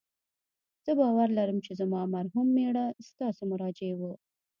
زه باور لرم چې زما مرحوم میړه ستاسو مراجع و